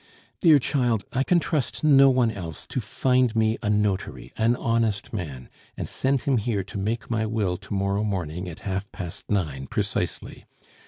"Dear child, I can trust no one else to find me a notary, an honest man, and send him here to make my will to morrow morning at half past nine precisely.